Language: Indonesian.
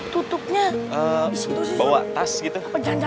tutupnya bawa tas gitu